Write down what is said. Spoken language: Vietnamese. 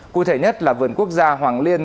cụ thể nhất là vườn quốc gia hoàng liên